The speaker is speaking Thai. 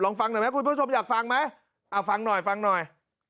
ฟังหน่อยไหมคุณผู้ชมอยากฟังไหมเอาฟังหน่อยฟังหน่อย